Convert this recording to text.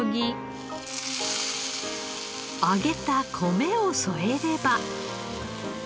揚げた米を添えれば。